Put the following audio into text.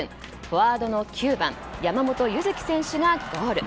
フォワードの９番山本柚木選手がゴール。